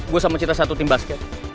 gue sama cerita satu tim basket